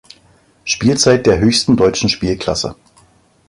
Spielzeit der höchsten deutschen Spielklasse.